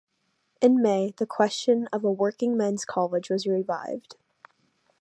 In May the question of a Working Men's College was revived.